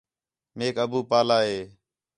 میک ابو پالا ہِے